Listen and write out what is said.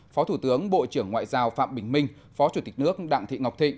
phó thủ tướng bộ trưởng ngoại giao phạm bình minh phó chủ tịch nước đặng thị ngọc thịnh